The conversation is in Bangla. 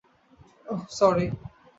ওহ, সরি।